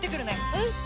うん！